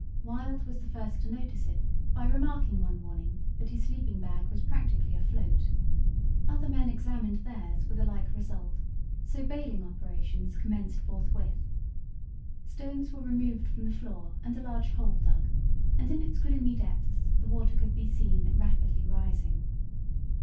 Wild was the first to notice it by remarking one morning that his sleeping bag was practically afloat. Other men examined theirs with a like result, so baling operations commenced forthwith. Stones were removed from the floor and a large hole dug, and in its gloomy depths the water could be seen rapidly rising.